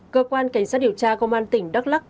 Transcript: cơ quan cảnh sát điều tra công an tỉnh đắk lắc